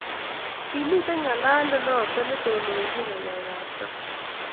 kimito ngalalet noto netondonochini ngalekab sang